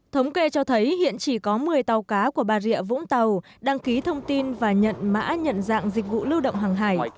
thống kê cho thấy hiện chỉ có một mươi tàu cá của bà rịa vũng tàu đăng ký thông tin và nhận mã nhận dạng dịch vụ lưu động hàng hải